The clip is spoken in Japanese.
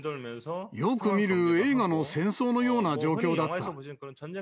よく見る映画の戦争のような状況だった。